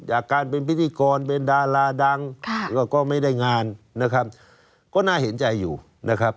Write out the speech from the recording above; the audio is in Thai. จากการเป็นพิธีกรเป็นดาราดังแล้วก็ไม่ได้งานนะครับก็น่าเห็นใจอยู่นะครับ